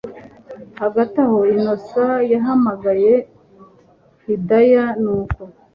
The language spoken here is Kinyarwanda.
Hagati aho Innocent yahamagaye Hidaya nuko